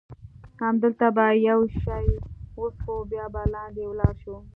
همدلته به یو شی وڅښو، بیا به لاندې ولاړ شو.